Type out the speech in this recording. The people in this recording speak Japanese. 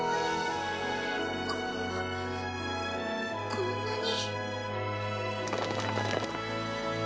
こんなに。